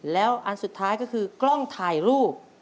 แล้วอันสุดท้ายก็คือกล้องถ่ายรูป